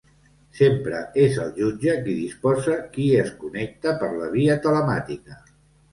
Sempre és el jutge qui disposa qui es connecta per la via telemàtica.